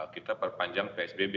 kita perpanjang psbb